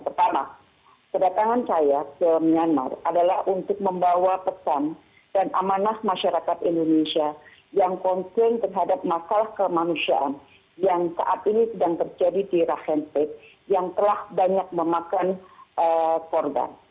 pertama kedatangan saya ke myanmar adalah untuk membawa pesan dan amanah masyarakat indonesia yang konkren terhadap masalah kemanusiaan yang saat ini sedang terjadi di rakhid yang telah banyak memakan korban